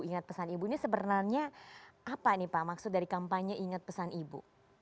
ingat pesan ibu ini sebenarnya apa nih pak maksud dari kampanye ingat pesan ibu